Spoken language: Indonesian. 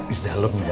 di dalem ya